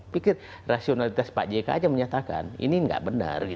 pikir rasionalitas pak jk aja menyatakan ini tidak benar